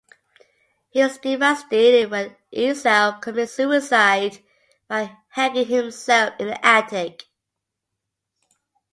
He is devastated when Esau commits suicide by hanging himself in the attic.